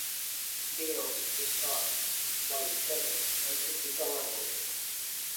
Gale took the sharp white feather and pricked his arm with it.